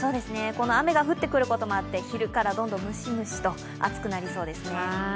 雨が降ってくることもあって、昼からどんどんムシムシと暑くなりそうですね。